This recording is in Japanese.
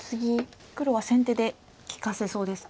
黒は先手で利かせそうですか。